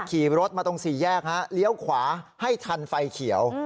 ขี่รถมาตรงสี่แยกฮะเลี้ยวขวาให้ทันไฟเขียว